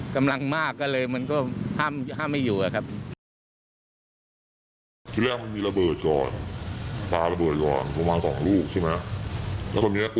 กำลังมันน้อยครับแล้วฝ่ายต่างฝ่ายก็มีกำลังมาก